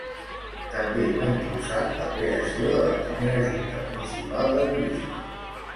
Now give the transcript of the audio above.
També va impulsar la creació de la primera Junta municipal de Turisme.